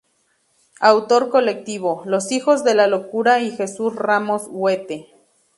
Autor colectivo: los hijos de la locura y Jesús Ramos Huete.